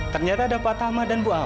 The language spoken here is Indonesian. ternyata ada pak tama dan bu ambar